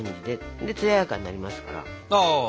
で艶やかになりますから。